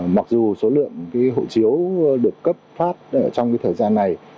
mặc dù số lượng hộ chiếu được cấp phát trong thời gian này